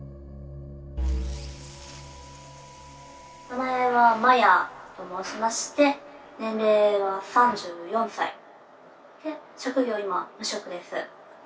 名前はマヤと申しまして年齢は３４歳で職業は今無職です。